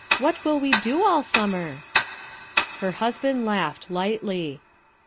What will we do all summer?" Her husband laughed lightly.